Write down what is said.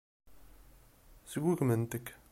Sgugment-k.